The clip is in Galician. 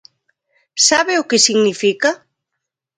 ¿Sabe o que significa?